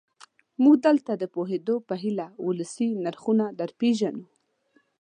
موږ دلته د پوهېدو په هیله ولسي نرخونه درپېژنو.